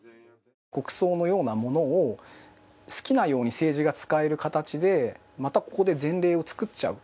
国葬のようなものを好きなように政治が使える形でまた、ここで前例を作ってしまう。